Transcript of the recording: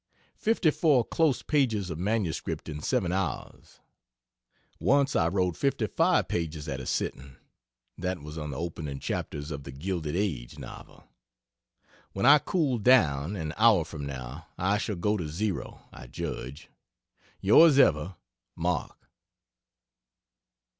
Fifty four close pages of MS in 7 hours. Once I wrote 55 pages at a sitting that was on the opening chapters of the "Gilded Age" novel. When I cool down, an hour from now, I shall go to zero, I judge. Yrs ever, MARK.